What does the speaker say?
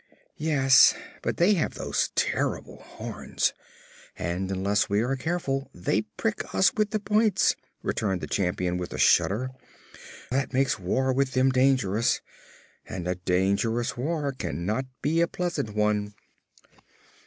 "Yes; but they have those terrible horns, and unless we are careful they prick us with the points," returned the Champion with a shudder. "That makes a war with them dangerous, and a dangerous war cannot be a pleasant one."